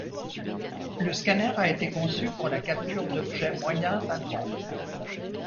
Le scanner a été conçu pour la capture d’objets moyens à grands.